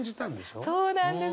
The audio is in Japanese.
そうなんです。